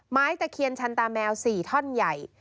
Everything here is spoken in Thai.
ตะเคียนชันตาแมว๔ท่อนใหญ่